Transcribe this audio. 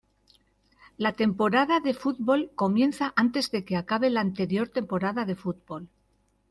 La temporada de fútbol comienza antes de que acabe la anterior temporada de fútbol.